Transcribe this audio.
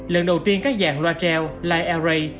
lần đầu tiên các dàn loa treo light array